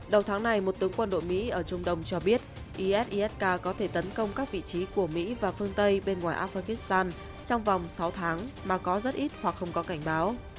đầu tháng này một tướng quân đội mỹ ở trung đông cho biết isisk có thể tấn công các vị trí của mỹ và phương tây bên ngoài afghanistan trong vòng sáu tháng mà có rất ít hoặc không có cảnh báo